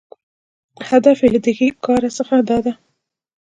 هدف یې له دې کاره څخه داده